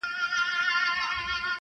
• ټولنه د اصلاح اړتيا لري ډېر..